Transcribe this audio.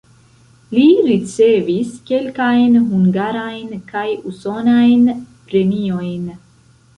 Li ricevis kelkajn hungarajn kaj usonajn premiojn.